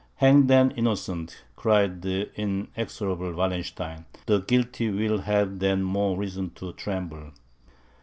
"Hang then innocent," cried the inexorable Wallenstein, "the guilty will have then more reason to tremble."